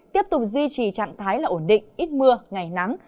tiếp tục duy trì trạng thái là ổn định ít mưa ngày nắng